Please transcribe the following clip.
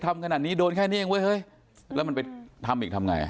ทำขนาดนี้โดนแค่นี้เองเว้ยเฮ้ยแล้วมันไปทำอีกทำไง